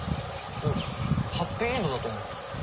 えハッピーエンドだと思ったの？